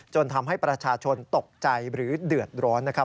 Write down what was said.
ทำให้ประชาชนตกใจหรือเดือดร้อนนะครับ